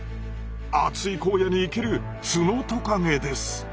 暑い荒野に生きるツノトカゲです！